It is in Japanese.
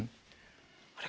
あれ？